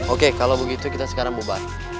oke kalau begitu kita sekarang bubar